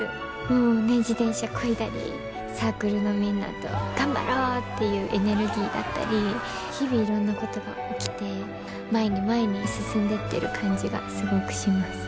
もうね自転車こいだりサークルのみんなと頑張ろうっていうエネルギーだったり日々いろんなことが起きて前に前に進んでってる感じがすごくします。